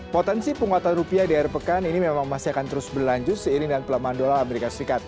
potensi penguatan rupiah di air pekan ini memang masih akan terus berlanjut seiring dengan pelemahan dolar as